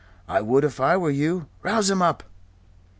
I would if I were you. Rouse 'em up."